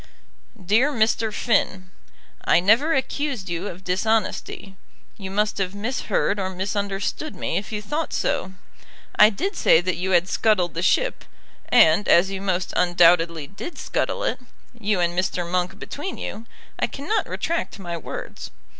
DEAR MR. FINN, I never accused you of dishonesty. You must have misheard or misunderstood me if you thought so. I did say that you had scuttled the ship; and as you most undoubtedly did scuttle it, you and Mr. Monk between you, I cannot retract my words.